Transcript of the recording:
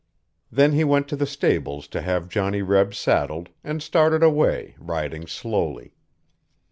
Then he went to the stables to have Johnny Reb saddled and started away, riding slowly.